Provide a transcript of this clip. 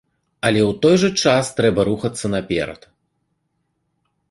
Але ў той жа час трэба рухацца наперад.